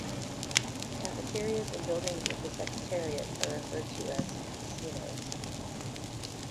Cafeterias in buildings of the Secretariat are referred to as "casinos".